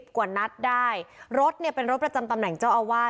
กว่านัดได้รถเนี่ยเป็นรถประจำตำแหน่งเจ้าอาวาส